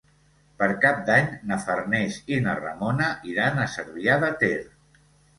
Per Cap d'Any na Farners i na Ramona iran a Cervià de Ter.